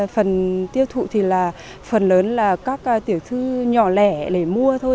phần tiêu thụ thì là phần lớn là các tiểu thương nhỏ lẻ để mua thôi